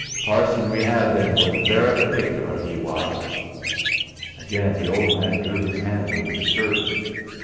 Parson we 'ad then was very particular, 'e was." Again the old man drew his hand over the turf.